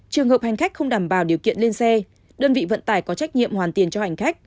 trường hợp hành khách không đảm bảo điều kiện lên xe đơn vị vận tải có trách nhiệm hoàn tiền cho hành khách